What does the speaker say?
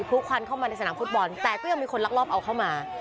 ควันเข้ามาในสนามฟุตบอลแต่ก็ยังมีคนลักลอบเอาเข้ามา